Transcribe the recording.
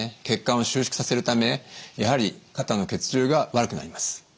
血管を収縮させるためやはり肩の血流が悪くなります。